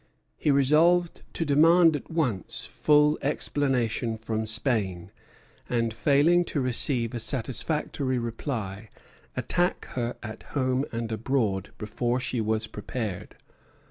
He resolved to demand at once full explanation from Spain; and, failing to receive a satisfactory reply, attack her at home and abroad before she was prepared.